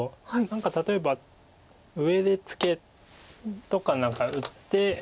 何か例えば上でツケとかなんか打って。